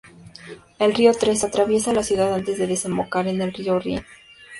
El río Ill atraviesa la ciudad antes de desembocar en el río Rin.